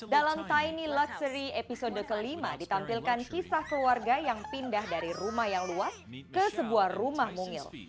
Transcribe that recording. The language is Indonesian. dalam tiny luxury episode kelima ditampilkan kisah keluarga yang pindah dari rumah yang luas ke sebuah rumah mungil